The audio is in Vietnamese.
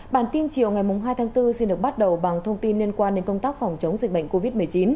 bản tin chiều ngày hai tháng bốn xin được bắt đầu bằng thông tin liên quan đến công tác phòng chống dịch bệnh covid một mươi chín